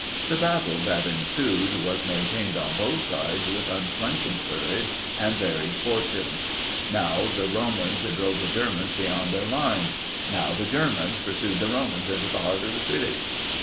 The battle that ensued was maintained on both sides with unflinching courage and varied fortunes: now the Romans drove the Germans beyond their lines; now the Germans pursued the Romans into the heart of the city.